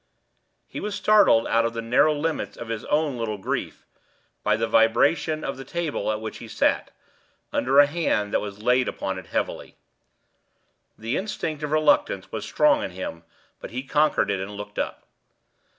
He was startled out of the narrow limits of his own little grief by the vibration of the table at which he sat, under a hand that was laid on it heavily. The instinct of reluctance was strong in him; but he conquered it, and looked up.